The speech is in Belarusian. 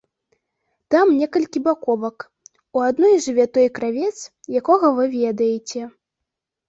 Там некалькі баковак, у адной жыве той кравец, якога вы ведаеце.